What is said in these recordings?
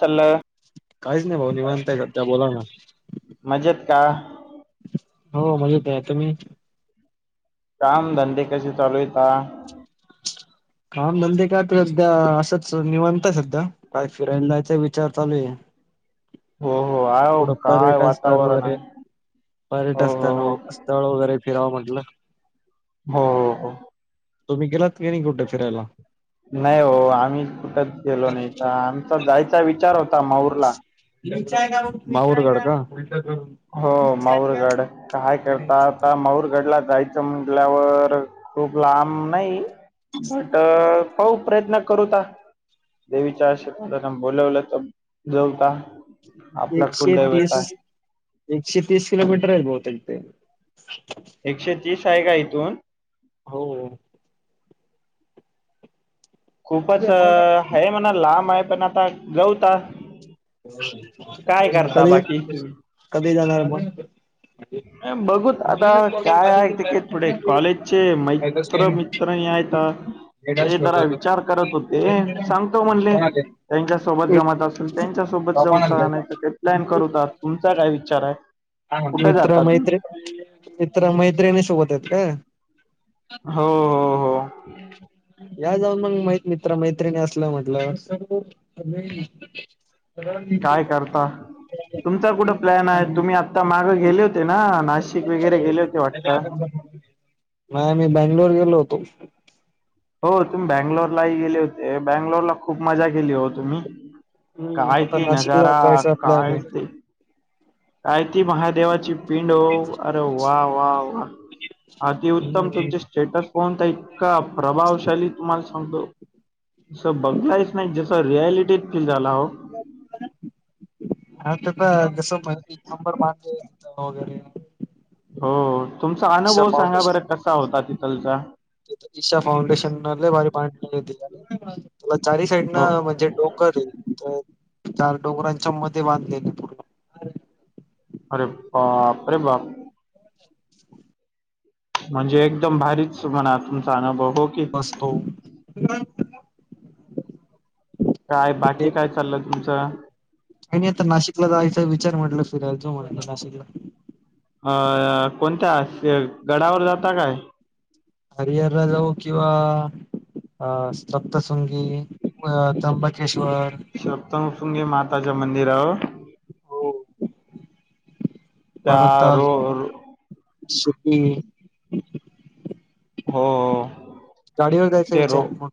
Hello! काहीच नाही भाऊ निवांत आहे सध्या बोला ना. मजेत का? हो मजेत आहे. तुम्ही? काम धंदे कसे चालू आहे ता? काम धंदे काय सध्या असंच निवांत हाय सध्या, काय फिरायला जायचा विचार चालू आहे. हो हो आहो थोडं काय पर्यटन स्थळ वातावरण वगैरे आहे हो पर्यटन हो स्थन हो स्थळ वगैरे फिरावं म्हटलं. हो हो. तुम्ही गेलात की नाही कुठे फिरायला? नाही ओ आम्ही कुठच गेलो नाही आम चा जायचा विचार होता माहूरला माहूर गड का? हो माऊर गड काय करता आता माहूर गडला जाय च म्हटल्यावर खूप लांब नाही बट्ट पाहू प्रयत्न करू ता देवीच्या आशीर्वादन बोलवलं तं जमता एकशे तीस एकशे तीस किलोमीटर आहे बहुतेक ते. एकशे तीस आहे का इथून? हो. खूपच हाय म्हणा लांब आहे पण आता जावूता. कधी तुम्ही कधी जाणार म? बघूत आता काय आहे तिकीट पुढे कॉलेजचे मैत्र मित्रणी आहेत ते जरा विचार करत होते, सांगतो म्हणले. त्यांच्यासोबत जमत आसल त्यांच्यासोबत जाऊता नाही त काय प्लॅन करूता तुमचा काय विचार हाय? हा मित्र मैत्रि मित्र मैत्रिणी सोबत आहेत का? हो. हो हो [unintelligible] या जाऊन मंग मै मित्र मैत्रिणी आसलं म्हटलं. काय करता? तुमचा कुठं प्लॅन आहे? तुम्ही आता माग गेले होते ना नाशिक वगैरे गेले होते वाटत. नाही मी बेंगलोर गेलो होतो. हो तुम् बंगलोरलाही गेले होते बँंगलोरला खूप मजा केली हो तुम्ही? हम्म काय आता ते नाशिकला नजारा जायचं आपल्या काय ते काय ती महादेवाची पिंड अरे वा वा वा. अतिउत्तम आम्ही तुमचे स्टेटस पाहून तं इतका प्रभावशाली तुम्हाला सांगतो आस बघलायस नाही जसं रियालिटी फील झाला आहो. आता [unintelligible] माझं वगैरे हो तुमचा ईशा आनूभव सांगा बरं कसा होता तिथल चा? दिशा फाउंडेशन लई भारी पा [unintelligible] चारी साईडन हो म्हणजे डोंगर हे तर चार डोंगरांच्या मध्ये बांधलेल पूर्ण आरे बापरे बाप म्हणजे एकदम भारीच म्हणा तुमचा आनुभव हो की आसतो [unintelligible] कायं बांकी कायं चाललं तुमचं कांहीं नाहीं आतां नाशिकला जायंचा विचार म्हंटला फिरायंला जाऊं म्हंटल नाशिकला अ कोणत्यां गडांवर जातां कायं हरिहरलां जाऊं किंवा अं सप्तश्रृंगी अं त्र्यंबकेश्वर सप्तशृंगी मातां च्यां मंदिरांवर हो त्यां रोड रो शिपिंग हो हो गांडीवर जायंचा विचारं आहे कां मंग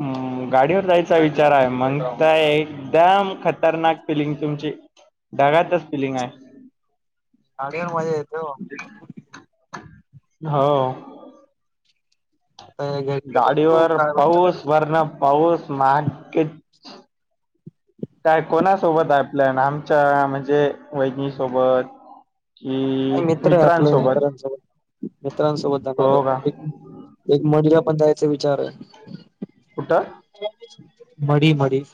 हम्मं गांडीवर जायंचा विचारं आहे म्हणतांय एकदंम खतरनांक फिलिंग तुमची ढगातंच फिलिंग आहे गांडी वरं मजां येतों हो हो आता या घरी गेलो बघू गांडीवर काय म्हणता काय पाऊस नाही. वरणं पाऊस महागेचं [unintelligible] कायं कोणांसोबतं आहे आपल्यां नां आमच्यां म्हणजे वहिनी सोबतं हि ई मित्रं आहे आपल्यां मित्रांसोबतं मित्रांसोबतं जाणारं हो का आहे एक मंढी लां पणं जायंचा विचारं आहे कुठं मंढी मंढी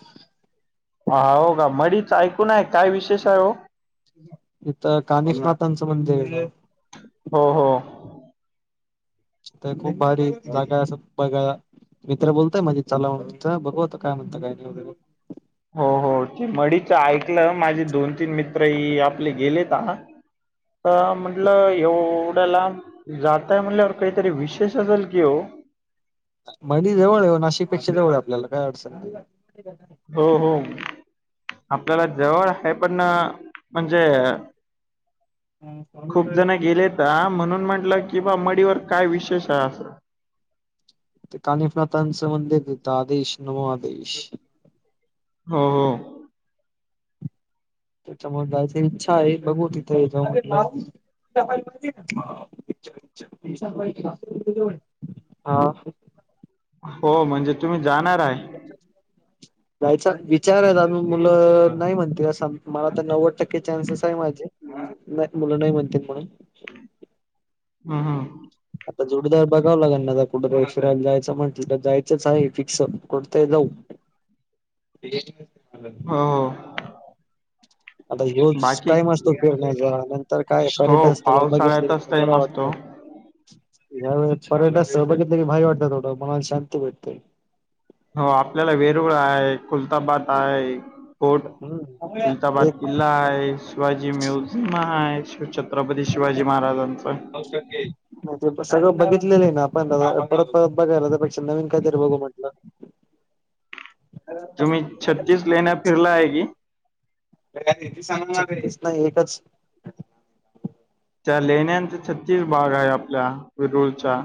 हं हो कां मढीचं ऐकूंन आहे कायं विशेष आहे हो तिथं कानिफना थांच मंदिरं आहे हो हो खूंप भारी जागां असं बघायां मित्रं बोलतंय माझे चलां म्हणूंन चलां बघूं आतां कायं म्हणतां कायं नाहीं हो हो ते मंढीच ऐकलं माझे दोन तीनं मित्रं आपले गेलेतं हं अं म्हटलं एवढ्यां लांब जातांय म्हणल्यांवर कांहीतरी विशेष असेलं की हो मंढी जवळं ये नाशिक पेक्षा जवळं आहे आपल्यांला कायं अडचंण नाहीं हो हो आपल्यांला जवळं आहे पणं म्हणंजे खूंप जणं गेलेतं म्हणूंन म्हटलं की बां मंढीवर कायं विशेष आहे असं कानिफनाथ चं मंदीर आहे तिथं आदेश नवो आदेश हम्मं तिथं जायची ईच्छा आहे बघूं तिथं जाऊं हा [unintelligible] हो म्हणजे तुम्हीं जाणारं आहे ् [unintelligible] जायंचा विचारं आहे आम्हीं मुलं नाहीं म्हणते मलां तरं नव्वद टंक्के चान्सेस आहे माझे नाहीं मुलं नाहीं म्हणतील म्हणूंन हम्मं हम्मं आतां जोडीदार बघावं लागंन कुठशराला जायचं म्हटलं तरं जायचंच आहे फिक्संअ कुठं तरी जाऊं हम्मं आतां योज बाकी टाईम असतो फिरण्यांचा नंतर कायं हो पर्यटन स्थळं बघितले पावसाळ्यातच तला टाईम बरं असतो वाटतं यां वेळी पर्यटक संह बघितलं की भारी वाटतं थोडं मनांला शांती भेटते हो आपल्यांला वेरुंळ आहे खुलतांबाद आहे कोर्ट हम्म खुलतांबाद एक किल्लां आहे शिवाजी म्युझियम आहे शि छत्रपती शिवाजी महाराजांचं. औशक्या. ते सगळं बघितलेलं आहे ना आपण परत परत बघायला त्यापेक्षा नवीन काहीतरी बघू म्हटलं. तुम्ही छत्तीस लेण्या फिरला आहे की. ती सांगणारस ना एकच. त्या लेहिण्याचा छत्तीस भाग आहे आपल्या वेरुळचा.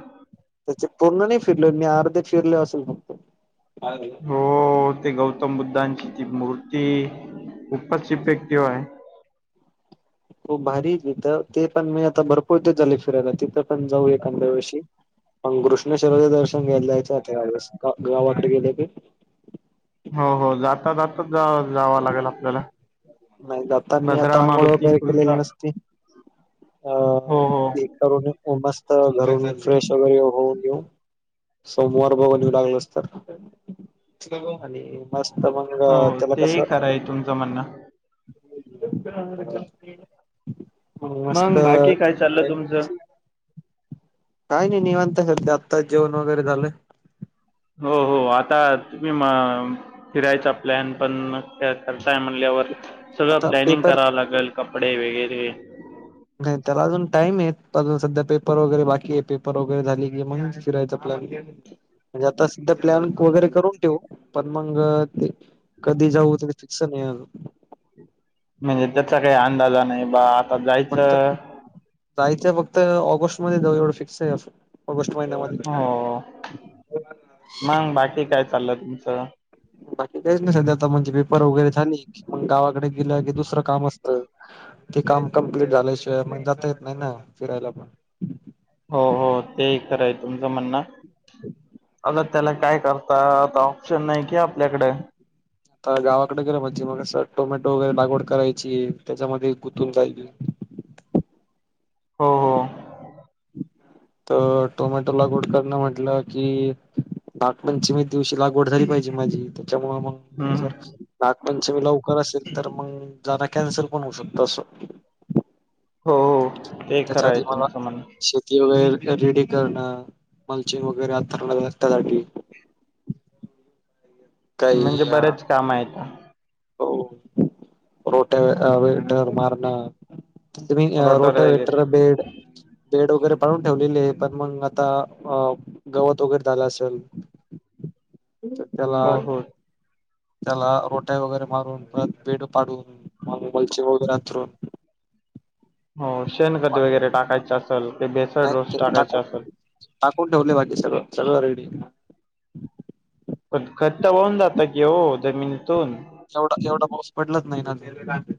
त्याचे पूर्ण नाही फिरल मी अर्धे फिरले असेल म्हणतो. हो ते गौतम बुद्धांची ती मूर्ती खूपच इफेक्टिव्ह आहे. खप भारी तिथ ते पण मी आता भरपूर ते झाले फिरायला तिथं पण जाऊ एखाद्या वर्षी. मग घृष्णेश्वर शरोद दर्शन घ्यायला जायच गावाकडे गेले ते. हो हो जाता जाताच जा जाव लागेल आपल्याला. नाही जातांनी भद्रा आता आंघोळ मारुती वगैरे केलेले खुलता नसते अ. हो हो ून मस्त घर फ्रेश वगैरे होऊ नऊ. सोमवार बघनऊ लागल तर आणि. मस्त मंग तला कसा. क म्हणना. [inaudible] मस्त मग बाकी काय चाललं तुमचं. काय नाही निवंत हेते आत् जेवन वगैरे झालाले. हो हो आता तुम्ही म. फिरायचं आप्लन पण करताय म्हणल्यावर. सगळं आता प्लॅनिंग पेपर करावं लागेल कपडे वगैरे. नाही त्याला अजून टाइम आहे अजून सध्या पेपर वगैरे बाकी आहे पेपर वगैरे झाली की मग फिरायचं आपल्या. म्हणजे आता सध्या प्लॅन वगैरे करून ठेवू पण मग ते. कधी जाऊ तरी फिक्स नाही आल. म्हणजे त्याचा काही अंदाजा नाही बा आता फक्त जायचं. जायचं फक्त ऑगस्ट मध्ये जाऊ एवढं फिक्स आहे ऑगस्ट महिन्यामध्ये. हो मग बाकी काय चाललं तुमचं. बाकी काहीच नाही सध्या आता म्हणजे पेपर वगैरे झाली मग गावाकडे गेलं की दुसरं काम असत. ते काम कंप्लीट झाल्याशिवाय म्हण जाता येत नाही ना फिरायला पण. हो हो तेही कराय तुमचं म्हणण. [inaudible] अग त्याला काय करता आता ऑप्शन नाही कि आपल्याकडे. तर गावाकडे गेल म्हजे मग अस टोमॅटो वगैरे लागवड करायची त्याच्यामध्ये गुथून जायची. हो हो. तर टोमॅटो लागवड करणं म्हटलं की. नागपंचमी दिवशी लागवड झाली पाहिजे माझी त्याच्यामु मग. जर हम्म नागपंच मी लवकर असेल तर मग जाना कॅन्सल पण होऊ शकत असं. हो हो ते त्याच्या खरं आहे आधी मला तुमचं म्हण श. वगैरे रेडी करणं मलचे वगैरे अतरण रस््यासाठी. म्हणजे बरेच काम आहे का. हो रोट्या वेटर मारण. तुम्ही रोटर रोट वगैरे वेटर बेड. बेड वगैरे पाडून ठेवलेली आहे पण मग आता गवत वगैरे झाला असेल. चला. हो हो त्याला रोटाई वगैरे मारून परत बेड पाडून वलचे वगैरे अतरून. हो शेणखत मग वगैरे टाकायचे असेल क बेसळ नाही रोस ते टाकायचा टाकून असेल. टाकून ठेवले माझे सगळं सगळं रेडी. खट्ट होऊन जात की हो जमिनीतून. एवढा एवढा पाऊस पडलाच नाही ना ते.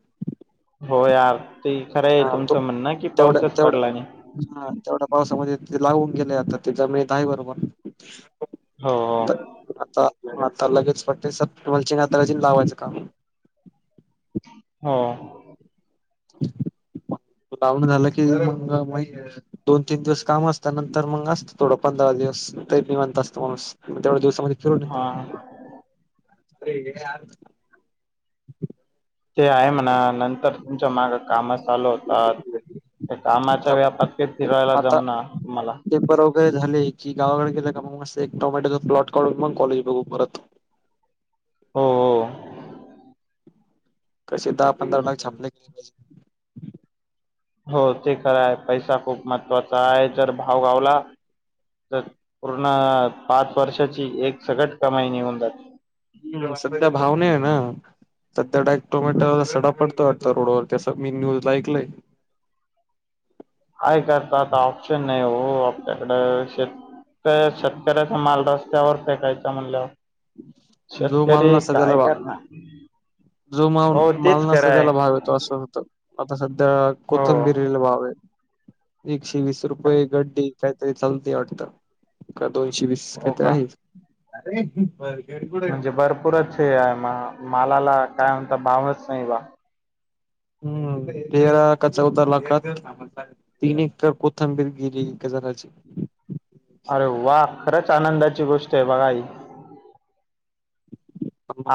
हो यार ते खरं आहे तो तुमचं म्हणण की तेवढ्या पाऊसच पडला तेवढ्या नाही. हा तेवढ्या पावसामध्ये लावून गेले आता त्याचा मिळत आहे बरोबर हो हो आता आता लगेच वाटते स तुम्हालाचीिना दराज लावायचं काम हो लावून झाला की म महि दोन तीन दिवस काम असत नंतर मग असत थोडं पंधरा दिवस त मी म्हणत असतो माणूस म तेवढेोस हा [inaudible] [inaudible] ते आहे म्हणा नंतर तुमच्या माग कामात चालू होतात ते कामाच्या व्यापात कि फिरायला आता जमना तुम्हाला पेपर वगैरे झाले की गावाकडे गेले का मस्ं एक टोमॅटोचा प्लॉट काढून मग कॉलेज बघू परत हो हो कसे दहांधरा ला ापले गली पाहिजे हो ते खरं आहे पैसा खूप महत्त्वाचा आहे जर भाव गावला पूर्ण पाच वर्षाची एक सगट कमाईणी होऊन जात ह सध्या भावना आहे ना सध्या डायेक् टोमॅटरला सडा पडतो वाटता रोडवर त्यां मी न्यूज ला ऐकलंय काय करता आता ऑप्शन नाही हो आपल्याकडे शेत शेतकऱ्याचा माल रत र्यावर काकायच म्हणलं जो माल शेतकरी नसता त्याला काय भाव करणार जो माल हो माल तेच नसत खरंय त्याला भाव येतो असं होतं आता सध्या हो कोथं बिरला भाव आहे एकशे वीस रुपये गड्डी काहीतरी चालते वाटत का दोनशे वीस हो का आहे अरे म्हणजे भरपूरच हे आहे म मालाला काय म्हणत भावच नाही बा हम्म रा कच्चा उतार लातात तीन एकर कोथंबीर गिरी जराची अरे वा खरंच आनंदाची गोष्ट आहे बघाई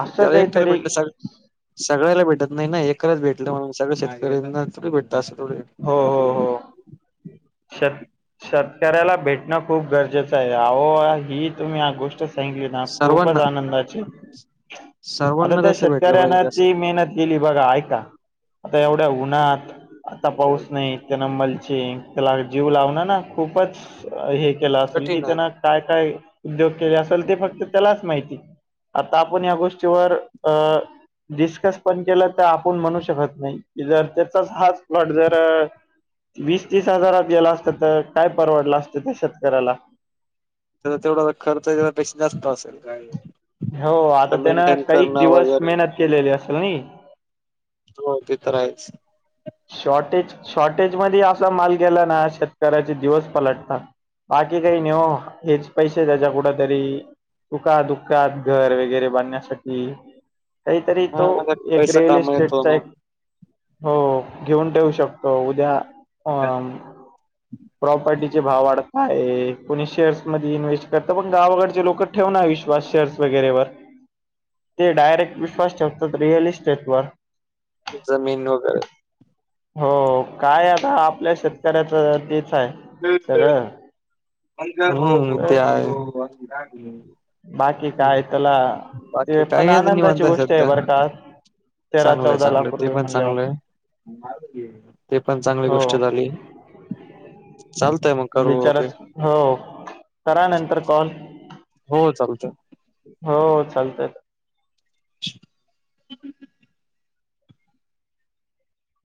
असं त्याला एक ठेला काहीतरी भेटलं सग सगळ्याला भेटत नाही ना एकच भेटलं म्ह सगळं शेतकऱ थो भेटत असं थो भे हो हो हो शेत शेतकऱ्याला भेटणं खूप गरजेचं आहे आहो ही तुम्ही ह गोष्ट थँक यू ना खूपच सर्वांना आनंदाची आता सर्वांना त्या तसं भेटलं शेतकऱ्यांना पाहिजे असं ती मेहनत गेली बघा आहे का आता एवढ्या उन्हात आता पाऊस नाही तेनंमलचीि त्याला जीव लावण ना खूपच हे केलं असेल की कठीण आहे त्याना काय काय उद्योग केले असेल ते फक्त त्यालाच माहिती आता आपण या गोष्टीवर अह डिस्कस पण केलं तर आपण म्हणू शकत नाही की जर त्याचाच हाच प्लॉट जर वीस तीस हजारात गेला असत तर काय परवडलं असतं त्या शेतकऱ्याला. त्याचा तेवढासा खर्च त्या पेक्षा जास्त असेल काय. हो आता त्यान काही दिवस वगैरे मेहनत केलेली असेल ना हो ते तर आहेच शॉर्टेज शॉर्टेज मध्ये असा माल गेला ना शेतकऱ्याचे दिवस पलटतात बाकी काही नेव हेच पैसे त्याच्या कुठ तरी दुका दुःखात घर वगैरे बांधण्यासाठी काहीतरी तो हा माझा एक पैसा रिअल कामा येतो इस्टेटचा ना एक हो घेऊन ठेऊ शकतो उद्या. हा प्रॉपर्टी भाव वाढत आहे कोणी शेअर्स मध्ये इन्व्हेस्ट करत पण गावाकडचे लोक ठेवून आहे विश्वास शेअर्स वैगरेवर. [inaudible] ते डायरेक्ट विश्वास ठेवतात रिअल इस्टेट वर जमीन वगैरे हो काय आता आपल्या शेतकऱ्याचं तेचय [unintelligible] हम्म ते तर आहे. बाकी हम्म काय त्याला बाकी ते पण काही आता आनंदाची निवांतय गोष्ट आहे सध्या बरं का तेरा चांगलय चौदा चांगलय लाख ते रुपये पण म्हणल्यावर चांगलंय ते पण चांगली हो गोष्ट झा [unintelligible] चालतय मग करू ओके विचारच हो करा नंतर कॉल हो चालतय. हो चालतय. [inaudible]